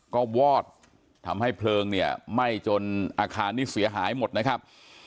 ก็วอดทำให้เพลิงเนี่ยไหม้จนอาคารนี้เสียหายหมดนะครับ